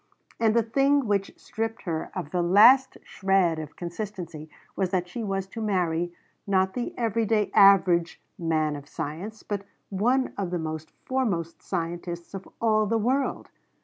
And the thing which stripped her of the last shred of consistency was that she was to marry, not the every day, average "man of science," but one of the foremost scientists of all the world!